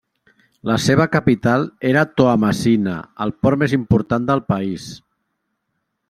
La seva capital era Toamasina, el port més important del país.